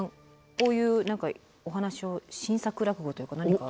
こういうお話を新作落語というか何か。